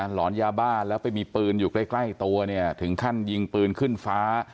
หลอนยาบ้าแล้วไปมีปืนอยู่ใกล้ตัวเนี่ยถึงขั้นยิงปืนขึ้นฟ้า